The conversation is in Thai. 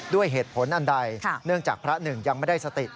ด้วยเหตุผลอันใดเนื่องจากพระหนึ่งยังไม่ได้สติ